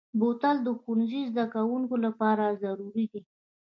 بوتل د ښوونځي زدهکوونکو لپاره ضروري دی.